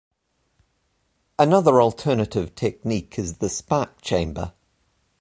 Another alternative technique is the spark chamber.